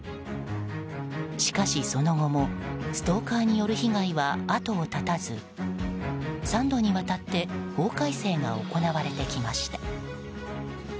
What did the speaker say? しかし、その後もストーカーによる被害は後を絶たず３度にわたって法改正が行われてきました。